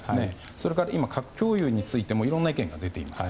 それから核共有についてもいろんな意見が出ています。